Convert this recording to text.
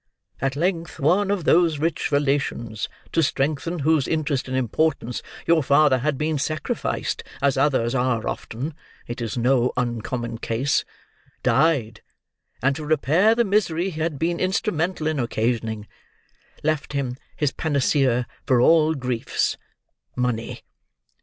At length one of those rich relations to strengthen whose interest and importance your father had been sacrificed, as others are often—it is no uncommon case—died, and to repair the misery he had been instrumental in occasioning, left him his panacea for all griefs—Money.